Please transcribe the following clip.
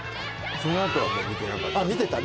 そのあとはもう見てなかったの？